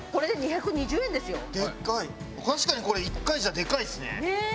確かにこれ１回じゃでかいですね！